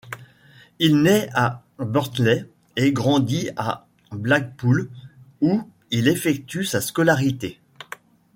Il naît à Burnley et grandit à Blackpool où il effectue sa scolarité.